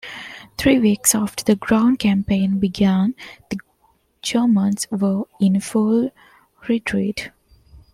Three weeks after the ground campaign began, the Germans were in full retreat.